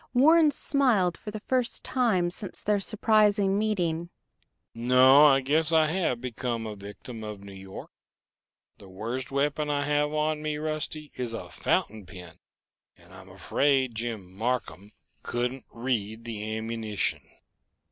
Warren smiled for the first time since their surprising meeting. "No, I guess I have become a victim of New York. The worst weapon I have on me, Rusty, is a fountain pen and I'm afraid Jim Marcum couldn't read the ammunition!"